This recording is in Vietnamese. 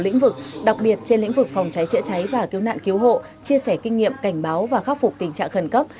những vực phòng cháy chữa cháy và cứu nạn cứu hộ chia sẻ kinh nghiệm cảnh báo và khắc phục tình trạng khẩn cấp